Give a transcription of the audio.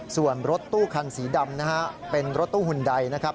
ส่วนรถตู้คันสีดำนะฮะเป็นรถตู้หุ่นใดนะครับ